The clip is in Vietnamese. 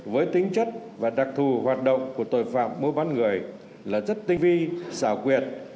với tính chất và đặc thù hoạt động của tội phạm mua bán người là rất tinh vi xảo quyệt